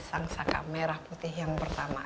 sang saka merah putih yang pertama